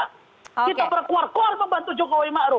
kita berkuar kuar membantu jokowi ma'ruh